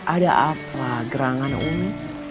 ada apa gerangan umi